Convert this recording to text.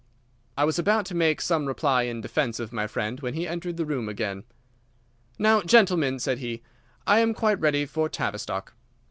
I was about to make some reply in defence of my friend when he entered the room again. "Now, gentlemen," said he, "I am quite ready for Tavistock."